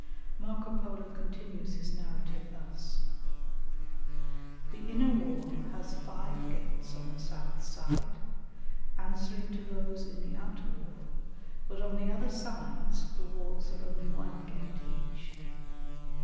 ] Marco Polo continues his narrative thus: "The inner wall has five gates on the south side, answering to those in the outer wall, but on the other sides the walls have only one gate each.